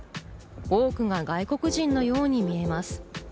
多くが外国人のように見えます。